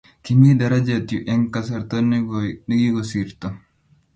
kimi darajee yu eng kasart nekooi nekikosirto